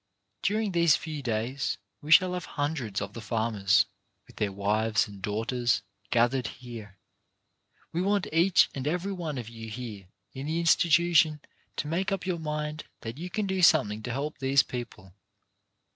During these few days we shall have hundreds of the farmers, with their wives and daughters, gathered here. We want each and every one of you here in the institution to make up your mind that you can do something to help these people.